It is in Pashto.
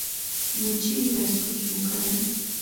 نو چرې دا سوچ مو کړے